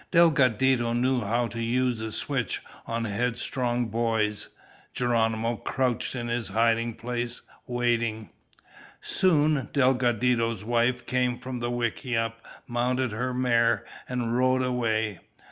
Delgadito knew how to use a switch on headstrong boys. Geronimo crouched in his hiding place, waiting. Soon Delgadito's wife came from the wickiup, mounted her mare, and rode away.